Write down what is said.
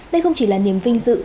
đây không chỉ là niềm vinh dự